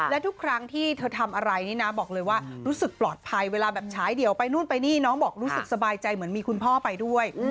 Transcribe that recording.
และทุกครั้งที่เธอทำอะไรนี่นะบอกเลยว่ารู้สึกปลอดภัยเวลาแบบฉายเดี่ยวไปนู่นไปนี่น้องบอกรู้สึกสบายใจเหมือนมีคุณพ่อไปด้วย